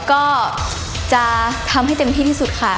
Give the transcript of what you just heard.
ก็จะทำให้เต็มที่ที่สุดค่ะ